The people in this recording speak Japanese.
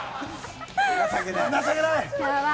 情けない。